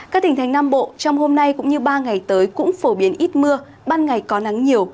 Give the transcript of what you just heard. các tỉnh thành nam bộ trong hôm nay cũng như ba ngày tới cũng phổ biến ít mưa ban ngày có nắng nhiều